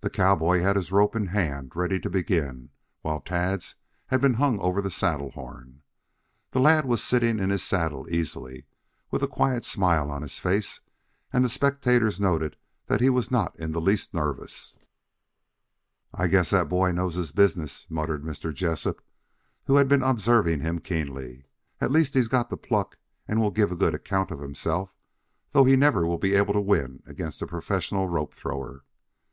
The cowboy had his rope in hand ready to begin, while Tad's had been hung over the saddle horn. The lad was sitting in his saddle easily, with a quiet smile on his face, and the spectators noted that he was not in the least nervous. "I guess that boy knows his business," muttered Mr. Jessup, who had been observing him keenly. "At least he's got the pluck and will give a good account of himself, though he never will be able to win against a professional rope thrower."